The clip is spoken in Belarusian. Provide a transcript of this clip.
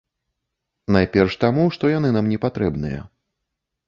Найперш таму, што яны нам не патрэбныя.